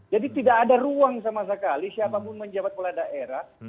tidak ada ruang sama sekali siapapun menjabat kepala daerah